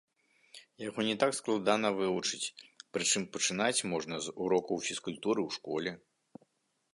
Яго не так складана вывучыць, прычым пачынаць можна з урокаў фізкультуры ў школе.